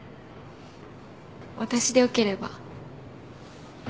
私でよければ。